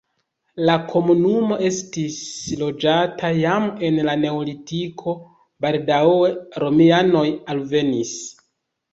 La komunumo estis loĝata jam en la neolitiko, baldaŭe romianoj alvenis.